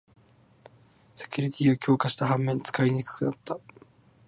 セキュリティーを強化した反面、使いにくくなった